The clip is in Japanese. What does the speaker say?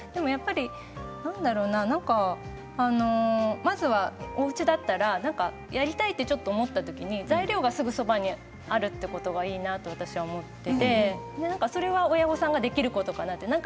何だろうな、まずはおうちだったらやりたいとちょっと思ったときに材料がすぐそばにあるということがいいなと私は思っていてそれは親御さんができることかなって。